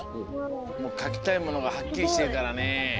もうかきたいものがはっきりしてるからね。